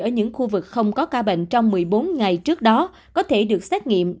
ở những khu vực không có ca bệnh trong một mươi bốn ngày trước đó có thể được xét nghiệm